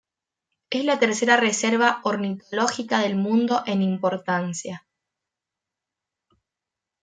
Es la tercera reserva ornitológica del mundo en importancia.